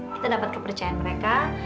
kita dapat kepercayaan mereka